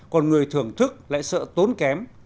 còn người thưởng thức lại sợ tốn kém